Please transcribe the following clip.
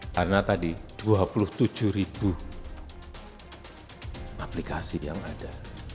karena tadi dua puluh tujuh ribu aplikasi yang ada